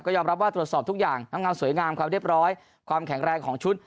ยอมรับว่าตรวจสอบทุกอย่างน้ำเงาสวยงามความเรียบร้อยความแข็งแรงของชุด